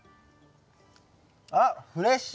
あっフレッシュ！